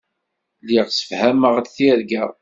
Lliɣ ssefhameɣ-d tirga.